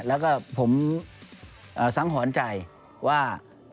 แล้วก็ผมสังหรณ์ใจว่า